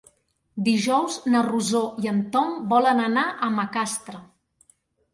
Dijous na Rosó i en Tom volen anar a Macastre.